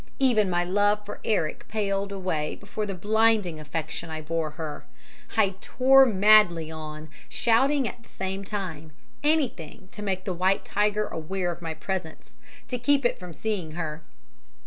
Even my love for Eric paled away before the blinding affection I bore her. I tore madly on, shouting at the same time, anything to make the white tiger aware of my presence, to keep it from seeing her.